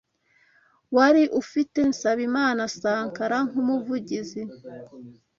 wari ufite Nsabimana “Sankara” nk’umuvugizi